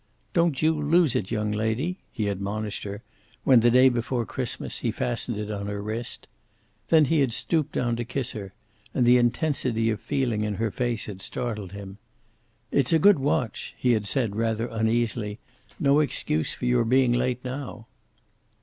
"Don't you lose it, young lady!" he admonished her when, the day before Christmas, he fastened it on her wrist. Then he had stooped down to kiss her, and the intensity of feeling in her face had startled him. "It's a good watch," he had said, rather uneasily; "no excuse for your being late now!"